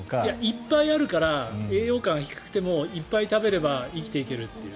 いっぱいあるから栄養価が低くてもいっぱい食べれば生きていけるという。